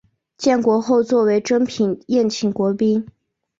建国后作为珍品宴请国宾。